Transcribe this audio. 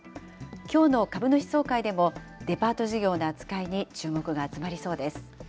きょうの株主総会でも、デパート事業の扱いに注目が集まりそうです。